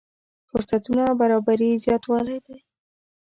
فرصتونو برابري زياتوالی دی.